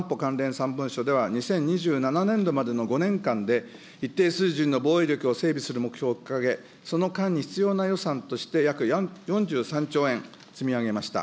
３文書では、２０２７年度までの５年間で一定水準の防衛力を整備する目標を掲げ、その間に必要な予算として約４３兆円、積み上げました。